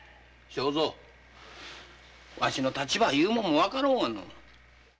わしの立場いうのも分かろうがの。